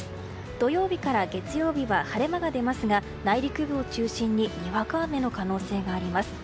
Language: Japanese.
土曜日から月曜日は晴れ間が出ますが内陸部を中心ににわか雨の可能性があります。